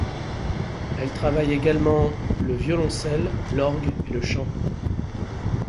Elle travaille également le violoncelle, l'orgue et le chant.